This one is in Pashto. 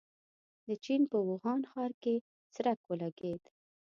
د چين په ووهان ښار کې څرک ولګېد.